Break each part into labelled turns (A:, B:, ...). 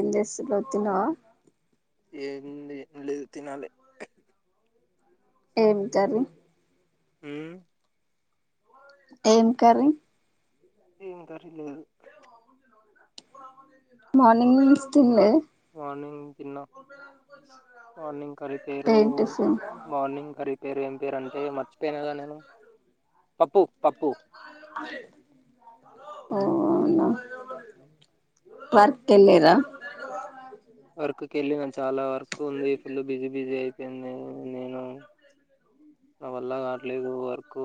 A: ఏం చేస్తున్నావ్ తిన్నావ
B: ఏం ఉంది ఏం లేదు తినాలి
A: ఏం కర్రీ
B: హ్మ్
A: ఏం కర్రీ
B: ఏం కర్రీ లేదు.
A: మార్నింగ్ నుంచి తినలే.
B: మార్నింగ్ తిన్నా. మార్నింగ్ కర్రి పేరు
A: ఏం టిఫిన్
B: మార్నింగ్ కర్రి. పేరు ఏం పేరు అంటే మర్చిపోయినా గా నేను పప్పు పప్పు
A: అవునా పార్క్ వెళ్లిరా
B: వర్క్ కి వెళ్ళి నాకు చాలా వర్క్ ఉంది ఫుల్ బిజీ బిజీ అయిపోయింది నేను నా వల్ల కాట్లేదు వర్క్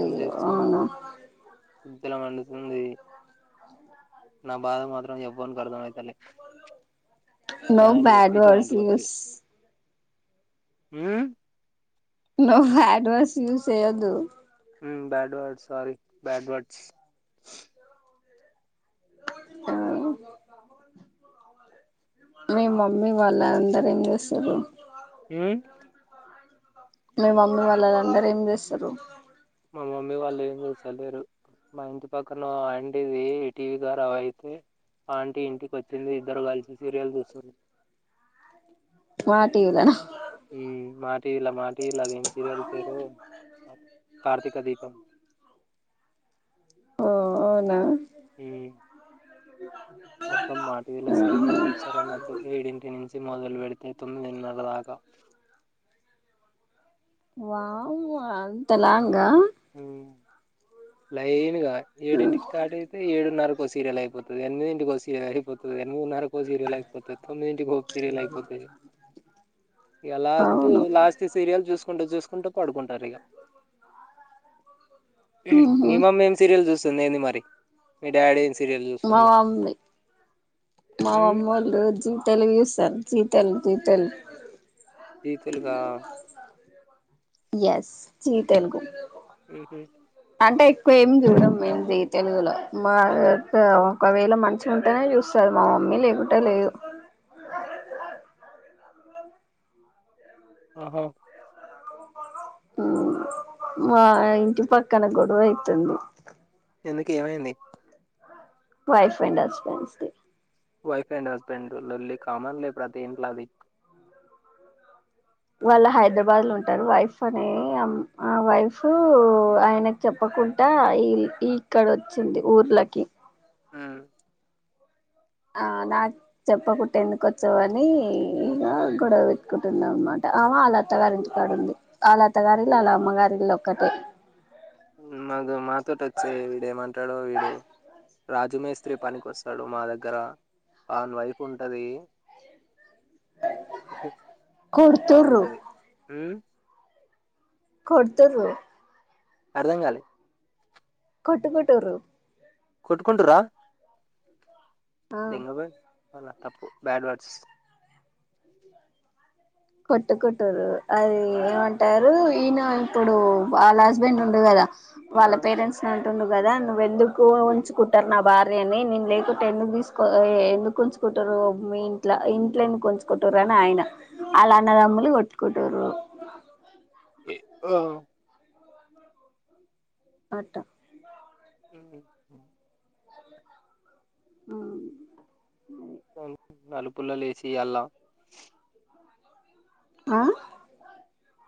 B: పని చేస్తున్న
A: అవునా
B: గుద్దల మండుతుంది నా బాధ మాత్రం ఎవ్వనికి అర్థం అయి
A: నువ్వు
B: జాయింట్
A: బ్యాడ్ వర్డ్స్
B: హమ్
A: నువ్వు బ్యాడ్ వర్డ్స్ యూస్ చేయొద్దు
B: బ్యాడ్ వర్డ్ సారీ బ్యాడ్వడ్స్
A: ఆ మీ మమ్మీ వాళ్ళ అందరు ఏం చేస్తురు
B: హమ్
A: మీ మమ్మీ వాళ్ళ అందరూ ఏం చేస్తురు
B: మా మమ్మీ వాళ్ళు ఏం చేస్తలేరు మా ఇంటి పక్కన ఆంటీది టీవీ ఖరాబు అయితే ఆంటీ ఇంటికి వచ్చింది ఇద్దరు కలిసి సీరియల్ చూస్తురు
A: మా టివి లనా
B: ఎ మా టివి లా మా టివి లా అదేం అదేం సీరియల్ పేరు కార్తిక్ కార్తీకదీపం
A: ఓ అవునా
B: మొత్తం మా టివి ల సీరియల్
A: ఆహా
B: చూస్తారన్నట్టు ఏడింటి నుంచి మొదలు పెడితే తొమ్మిదినరా దాకా
A: వామ్మో అంతలాంగా
B: హమ్ లైనుగా ఏడింటికి స్టార్ట్ అయితే ఏడు నరకు కొసీరల్ అయిపోతు ఎనిమిదింటి కోసీల్ అయిపోతు ఎనమది నరకు సీరియల్ అయిపోతుది తొమ్మిదింటికి హ సీరియల్ అయిపోతుది ఇక లాస్ట్
A: అవును
B: లాస్ట్ సీరియల్ చూసు అంత చేసుకుంటా పడుకుంటారు ఇగ
A: ఉహు
B: మీ మామ్ ఎ సీరియల్ చూస్తుందింది మరి మీ డాడీ సీరియల్
A: మా
B: చూస్తుండు
A: మమ్మీ మా
B: ఉమ్
A: మామ్మళ్ళు జి తెలుగు చూస్తారు జీ తెలుగు జీ తెలుగు
B: జీ తెలుగు గా
A: ఎస్ జీ తెలుగు
B: ఆహ
A: అంటే ఎక్కువ ఏమి చూడంది తెలుగులో మా ఒకవేళ మంచిగుంటని చూస్తారు మా మమ్మీ లేకుట లేదు
B: ఆహో
A: మా ఇంటి పక్కన గొడవ అయితుంది
B: ఎందుకు ఏమైంది
A: wife and husbands
B: wife and husband లల్లి కామన్లే ప్రతి ఇంట్లోది
A: వాళ్ళ హైదరాబాద్ లో ఉంటారు వైఫ్ అనే ఆ వైఫ్ ఆయనకి చెప్పకుండా ఈ ఇక్కడ వచ్చింది ఊర్లకి
B: మ్
A: ఆ నాకు చెప్పకుట్టే ఎందుకు వచ్చావని, ఇక గొడవ పెట్టుకుంటున్నా అనమాట, ఆ హా వాళ్ళత్తగారి ఇంటికాడ ఉంది, ఆళ్ళత్త గారి ఇల్లు వాళ్ అమ్మగారి ఇల్లు ఒక్కటే
B: మ్ మగ మాతోటచ్చేయి ఇడే మా ట్టాడు వీడు రాజుమేస్త్రి పనికిస్తాడు మా దగ్గర వన్ వైఫ్ ఉంటది
A: కొడుతుర్రు
B: బాగుంటది మ్
A: కొడుతరు
B: అర్థం కాలే
A: కొట్టు కొట్టురు
B: కొట్కుంట్రా
A: ఆ
B: బెంగ బెట్ చాల తప్పు బ్యాడ్ వర్డ్స్
A: కొట్టుకుట్టరు అది ఏమంటారు ఈయన ఇప్పుడు వాళ్ళ హస్బెండ్ ఉండ కదా
B: ఆ
A: వాళ్ళ పేరెంట్స్ డు కదా నువ్ ఎందుకు ఉంచుకుంటారు నా భార్యని, నేను లేకు ఎందుకు తీసుకో ఎందుకు ఉంచుకుంటారు మీ ఇంట్ల ఇంట్లో ఎందుకు ఉంచుకుంటారు అని ఆయన అలా అన్నదమ్లు కొట్ కుటరు
B: ఆ
A: అట్టా
B: అ
A: ఆ
B: నలుపుల్లలు వేసి అలా
A: ఆ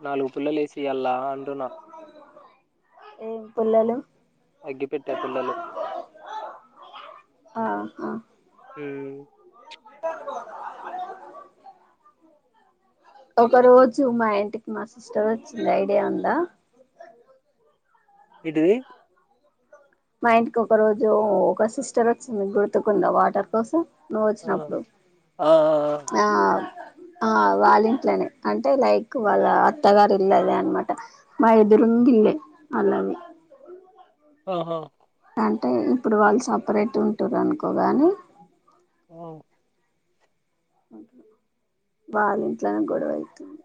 B: నాలుగు పుల్లలు వేసి అల్లా అంటున్నా
A: ఏం పుల్లలు
B: అగ్గి పెట్టే పుల్లలు
A: ఆహా
B: ఊ
A: ఒక రోజు మా ఇంటికి మా సిస్టర్ వచ్చింది ఐడియా ఉందా
B: ఏంటిది
A: మా ఇంటికి ఒక రోజు ఒక సిస్టర్ వచ్చింది గుర్తుకుందా వాటర్ కోసం నువ్వు వచ్చినప్పుడు
B: ఆహా
A: ఆ ఆ వాళ్ళింట్లోనే అంటే లైక్ వాళ్ళ అత్తగారు ఇల్ళదే అనమాట మా ఎదురుంగిల్లే వాళ్ళని
B: ఆహా
A: అంటే ఇప్పుడు వాళ్ళు సపరేట్ ఉంటారు అనుకోగాని
B: ఊ
A: అ వాళ్ళ ఇంట్లోనే గొడవ అవుతుంది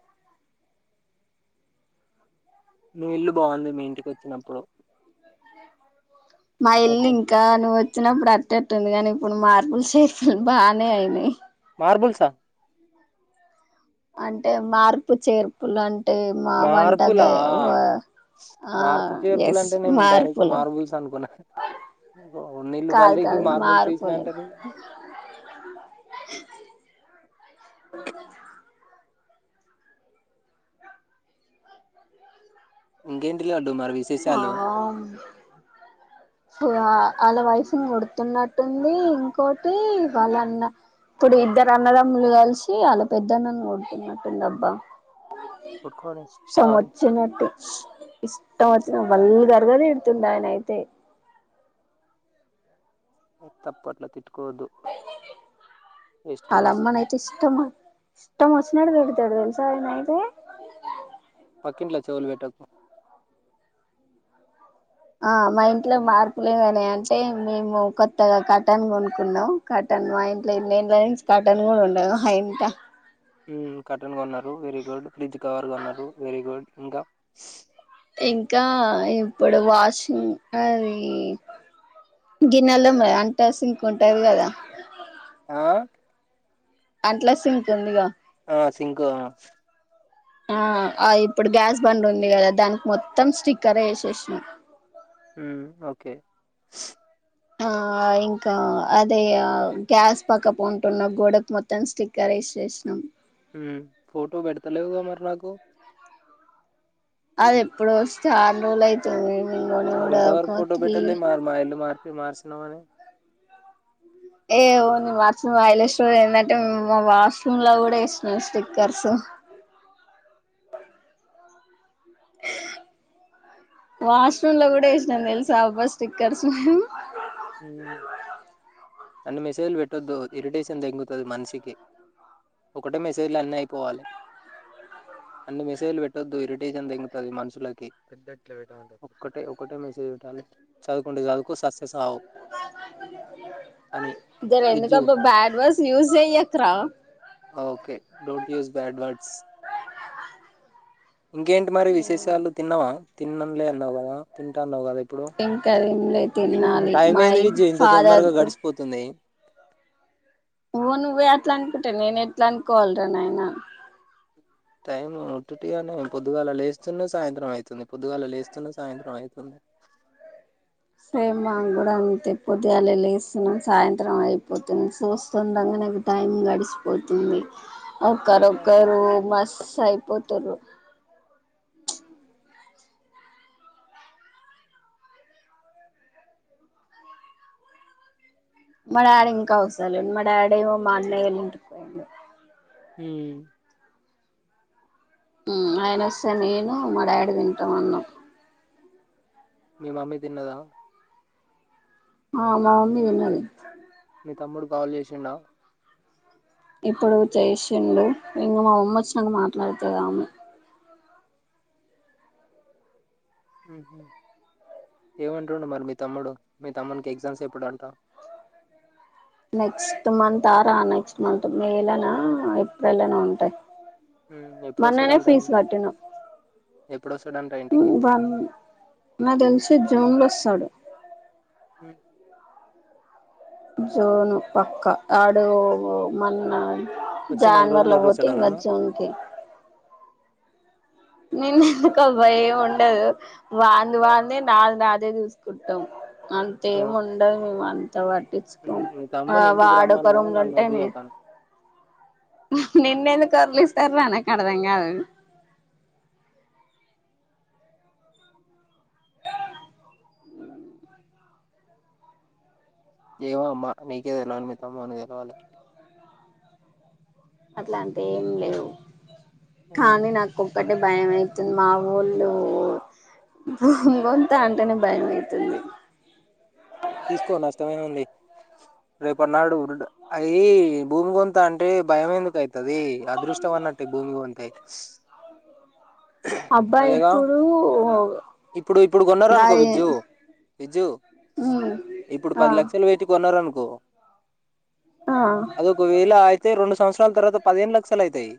B: మీ ఇల్లు బాగుంది మీ ఇంటికి వచ్చినప్పుడు
A: మా ఇల్
B: ఓకే.
A: ఇంకా నువ్ వచ్చినప్పుడు అట్టట్టుంది కానీ ఇప్పుడు మార్పుల్ సేకలు బాగానే అయినాయి
B: మార్బుల్సా
A: అంటే మార్పు చేర్పులన్
B: మార్పులా
A: ఆ
B: మార్పు
A: ఎస్
B: చేర్పులంటే నేను డైరెక్ట్
A: మార్పులు
B: మార్బుల్స్ అనుకున్నా నీల్లు
A: కాదు
B: [unintelligible]
A: కాదు
B: మార్బుల్స్ తీసినా
A: మార్పులు
B: అంటారు ఇంగేంటి డి అండూ మరి విషేసాలు
A: హు ఆ వాళ్ళ వైఫ్ని కొడుతున్నట్టుంది ఇంకోటి వాళ్ళ అన్న ప్పుడు ఇద్దరు అన్నదమ్ములు కలిసి వాళ్ళ పెద్దన్నను కొడుతున్నట్టుందబ్బా
B: కొట్టుకొని సావని
A: ఇష్టమొచ్చినటు ఇష్ [unintelligible] ఆయన అయితే
B: ఏ తప్పట్ల తీ వేస్ట్ ఫెలోస్
A: ఆలమ్మనయితే ఇష్టమొ ఇష్టమొస్ పెడుతాడు తెలుసా ఆయనైతే
B: పక్కింట్లో చెవులు పెట్టకు
A: ఆ మా ఇంట్లో మార్పులేవైనాయంటే మేము కొత్తగా కర్టన్ కొనుక్కున్నాం కర్టన్ మా ఇంట్లో [inaudible] కర్టన్ కూడా ఉండవు ఆ ఇంట
B: ఊ కర్టన్ గొన్నారు వెరీ గుడ్ ఫ్రిజ్ కవర్ గొన్నారు వెరీ గుడ్ ఇంకా
A: ఇంకా ఇప్పుడు వాషింగ్ అది గిన్నెల్ తోమేది అంట సింక్ ఉంటది కదా
B: ఆ
A: అంట్ల సింకు ఉందిగా
B: ఆ సింకు
A: ఆ ఇప్పుడు గ్యాస్ బంద్ ఉంది కదా దానికి మొత్తం స్టిక్కర్ వేసేసాం
B: ఓకే
A: ఆ ఇంకా అదే గ్యాస్ పక్క పో ఉంటున్న గోడకు మొత్తం స్టిక్కర్ వేసేసినాం
B: ఫోటో పెడతలేవుగా మరి నాకు
A: అది ఎప్పుడు వస్తే చాల రోజులు అయితుంది నేను కొని
B: మరి
A: కూడా
B: ఇంతవరకు
A: ఒక
B: ఫోటో
A: త్రీ
B: పెట్టాలె మరి మా ఇల్లు మార్చ్ మార్చి నవనీ
A: ఏ ఓ హైలెట్ స్టోరీ ఏంటంటే మా వాష్రూమ్ లో కూడా ఎఇస్తున్నాం స్టిక్కర్స్ హ వాష్రూమ్ లో కూడా ఎశినం తెలుసాబ్బా స్టిక్కర్స్ మేము
B: హ్మ్ అన్ని మెసేజ్లు పెట్టొద్దు ఇరిటేషన్ దెంగుతుది మనిషికి ఒకటే మెసేజ్లో అన్ని అయిపోవాలి అన్ని మెసేజ్లు పెట్టొద్దు ఇరిటేషన్ దెంగుతది మనుషులకి పెద్ద ఒకటే ఒకటే మెసేజ్ పెట్టాలి చదువుకుంటే చదువుకో సస్తెసావు
A: జర ఎందుకు
B: ఇజ్జు
A: అబ్బ బ్యాడ్ వార్డ్స్ యూస్ చెయ్యక్ రా
B: okay don't use bad words ఇంకేంటి మరి విశేషాలు తిన్నవా తిన్నన్ లే అన్నవ్ కదా తింటానవు కదా ఇప్పుడు
A: ఎం కరి ఎంలేదు తినాలి
B: టైం
A: మై
B: ఏంది విజ్జు ఇంత
A: ఫాదర్
B: తొందరగా
A: కు
B: గడిచిపోతుంది
A: నువ్వు నువ్వే అట్లా అనుకుంటే నేను ఎట్లా అనుకోవాలిరా నాయన
B: టైమ్ ఉటుటి గనే పొద్దుగలలేస్ లేస్తున్న సాయంత్రం అయితుంది, పొద్దుగాల లేస్తున్న సాయంత్రం అయితుంది.
A: సేమ్ మాకు కూడా అంతే పొద్దుగాల లేస్తున్నా సాయంత్రం అయిపోతుంది, చూస్తుండంగనే టైం గడిసిపోతుంది. ఒక్కరొక్కరు మస్ అయి పోతుర్రు మా డాడీ ఇంకా వస్తలేడు మా డాడీ ఏమో మా అన్నయ్యోల్ల ఇంటికి పోయిండు,
B: హ్మ్
A: హ్మ్ ఆయన వస్తే నేను మా డాడీ తింటం అన్నం
B: మీ మమ్మీ తిన్నదా
A: ఆ మామమ్మీ తిన్నది
B: మీతమ్ముడు కాల్ చేసిండ
A: ఇప్పుడు చేశిండు, ఇంగ మా మమ్మీ వచ్చినంక మాట్లాడుతది ఆమే
B: హ్మ్ ఏమంటుండు మరి మీ తమ్ముడు, మీ తమ్మునికి ఎగ్జామ్స్ ఎప్పుడు అంటా
A: next month or next month May లనా ఏప్రిల్లనో ఉంటయి
B: ఎప్పుడు
A: మోన్ననే
B: వస్తాడంట
A: ఫీజు
B: ఇంటి-
A: కట్టిన
B: ఎప్పుడు వస్తాడంట ఇంటికి
A: హ్మ్ వన్ నాక్ తెలిసి జూన్ లో స్టా తడు
B: హు
A: జూను పక్క ఆడు మోన్న
B: వచ్చి నెల
A: జానవరి
B: రోజులు
A: లో పోతే
B: వరుస్తాడా
A: ఇంకా
B: నన్ను
A: జూన్ కి నిన్ను ఎందుకు భయం ఉండదు వాంది వాందే నాది నాదే చూసుకుంటం.
B: ఆ,
A: అంతేమ్ ఉండదు అంత
B: ఉమ్,
A: పట్టించుకోము,
B: మీ తమ్ముని ఇంటికి రమ్మను కానీ
A: వాడొకరూంలో
B: నన్ను
A: ఉంటే నేను
B: వరియకను
A: నేను నిన్ను ఎందుకు వొర్లిస్తారు రా నాకు అర్థం కాదు
B: ఏమో అమ్మా నీకే తెలవాలే మీ తమ్ముని కి తెలవాలె
A: అట్లాంటే ఏం లేవు కానీ నాకి ఓగట్ అంటే భయంమవుతుంది మా ఊళ్ళు భూ కొంత అంటనే భయ అవుతుంది
B: తీసుకో నష్టమేం ఉంది రేపు అన్నాడు అది భూమి కొంత అంటే భయం ఎందుకైత్ అది అదృష్టవన్నట్టే భూమి ఉంటే స్
A: అబ్బాయి
B: అదేగా
A: ఇప్పుడు
B: ఇప్పుడు ఇప్పుడు కొన్న అనుకో
A: గాయి
B: విజ్జు విజ్జు
A: ఉమ్
B: ఇప్పుడు
A: ఆ
B: పది లక్షలు పెటి కొన్నారునుకో
A: ఆ
B: అదొక వేళ అయితే రెండు సంవత్స తర్వాత పదిహేను లక్షలు అయితాయి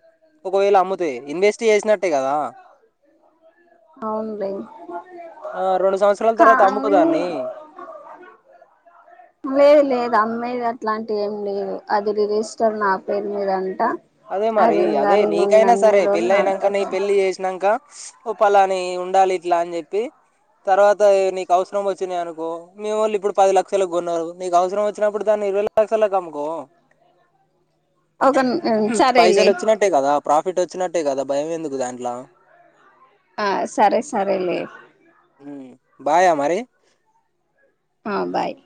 B: ఒకవేళ అమ్ముతాయి ఇన్వెస్ట్ చేసినట్టే కదా
A: అవును లే
B: ఆ రెండు సంవత్సరాల తర్వాత
A: కానీ
B: అమ్ముకోదాన్ని
A: లేదు లేదు అమ్మాయి అ ఆట్లాంటి ఏం లేదు అది రిజిస్టర్ నా పేరు మీద అంట
B: అదే మరి
A: అది ఇంగా
B: అదే
A: నేను ఉన్న
B: నీకైనా
A: అన్ని
B: సరే
A: రోజులు
B: పెళ్ళ అయినాక నీ
A: నాతోటే
B: పెళ్ళి చేసినంక ఓ పలాని ఉండాలి ఇట్లా అని చెప్పి తర్వాత నీకు అవసరం వచ్చినాయి అనుకో మీ ఓన్లీ ఇప్పుడు పది లక్షలలకు కొన్నారు నీకు అవసరం వచ్చినప్పుడు దాన్ని ఇరవై లక్షలలకు అమ్ముకో
A: ఒక సరేలే
B: పైసలు వచ్చినట్టే కదా ప్రాఫిట్ వచ్చి న్నట్టే కదా భయం ఎందుకు దాంట్ల
A: ఆ సరే సరే లే
B: ఊ బాయా మరీ
A: ఆ బాయ్